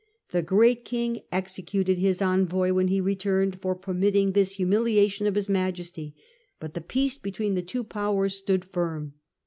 The great king executed his envoy, when he returned, for permitting this humiliation of his majesty, but the peace between the two powers stood firm.